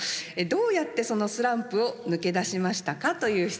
「どうやってそのスランプを抜け出しましたか」という質問です。